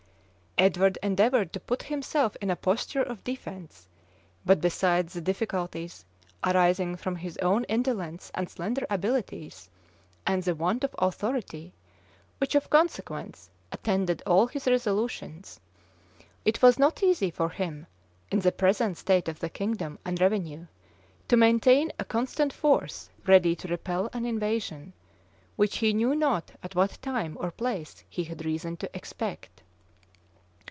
Edward endeavored to put himself in a posture of defence;[*] but, besides the difficulties arising from his own indolence and slender abilities, and the want of authority, which of consequence attended all his resolutions, it was not easy for him, in the present state of the kingdom and revenue, to maintain a constant force ready to repel an invasion, which he knew not at what time or place he had reason to expect.